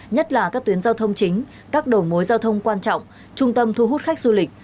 nhất là các tuyến giao thông chính các đầu mối giao thông quan trọng trung tâm thu hút khách du lịch